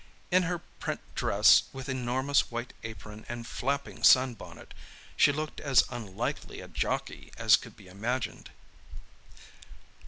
In her print dress, with enormous white apron and flapping sun bonnet, she looked as unlikely a "jockey" as could be imagined.